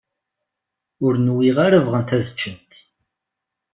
Ur nwiɣ ara bɣant ad ččent.